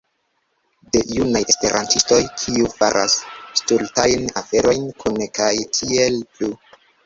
De junaj Esperantistoj kiu faras stultajn aferojn kune kaj tiel plu